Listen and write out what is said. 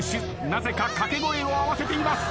なぜか掛け声を合わせています。